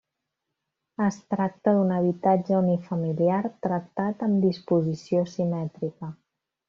Es tracta d'un habitatge unifamiliar tractat amb disposició asimètrica.